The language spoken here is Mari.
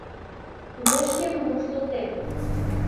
Кузе шкемым воштылтем?!